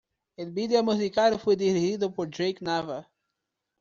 El video musical fue dirigido por Jake Nava.